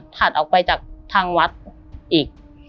ถัดออกไปจากทางวัดอีก